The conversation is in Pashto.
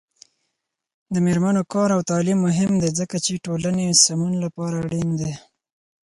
د میرمنو کار او تعلیم مهم دی ځکه چې ټولنې سمون لپاره اړین دی.